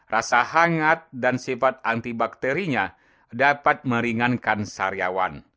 rasa hangat dan sifat antibakterinya dapat meringankan sariawan